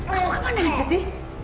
kamu kemana nih sesi